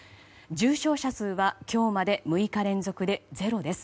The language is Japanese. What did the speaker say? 重症者数は今日まで６日連続でゼロです。